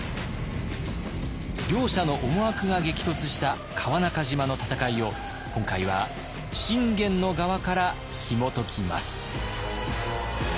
両者の思惑が激突した川中島の戦いを今回は信玄の側からひもときます。